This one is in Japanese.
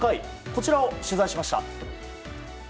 こちらを取材しました。